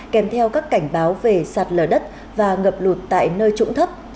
kèm theo các cảnh báo về sạt lở đất và ngập lụt tại nơi trụng thấp